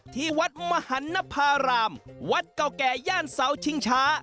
ที่วัดมหันนภารามวัดเก่าแก่ย่านเสาชิงช้า